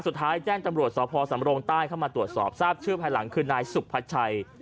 แจ้งตำรวจสพสำรงใต้เข้ามาตรวจสอบทราบชื่อภายหลังคือนายสุภาชัย